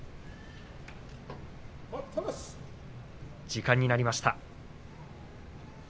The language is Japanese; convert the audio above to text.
時間になりました。